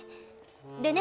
でね